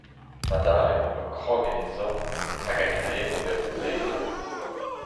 Madalen a oa krog en e zorn hag a grene evel un delienn.